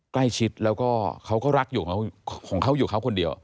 ใกล้ชิดแล้วก็เขาก็รักอยู่ของเขาอยู่เขาคนเดียว